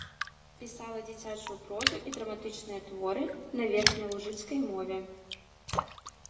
Пісала дзіцячую прозу і драматычныя творы на верхнялужыцкай мове.